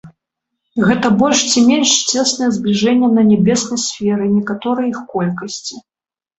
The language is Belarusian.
Гэта больш ці менш цеснае збліжэнне на нябеснай сферы некаторай іх колькасці.